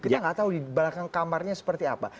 kita nggak tahu di belakang kamarnya seperti apa